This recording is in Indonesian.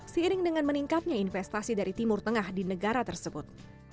seiring dengan meningkatnya investasi dari timur tengah di negara tersebut